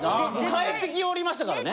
帰ってきよりましたからね。